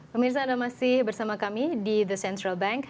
pemirsa anda masih bersama kami di the central bank